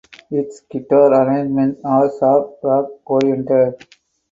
Its guitar arrangements are soft rock oriented.